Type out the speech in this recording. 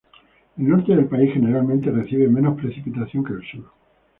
El norte del país generalmente recibe menos precipitación que el sur.